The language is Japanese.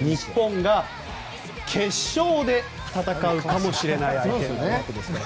日本が決勝で戦うかもしれない相手となりますから。